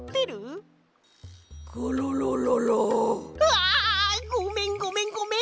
うわあ！ごめんごめんごめん！